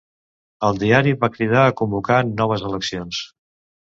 El diari va cridar a convocar noves eleccions.